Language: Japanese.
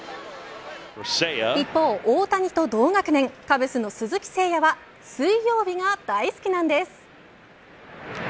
一方、大谷と同学年カブスの鈴木誠也は水曜日が大好きなんです。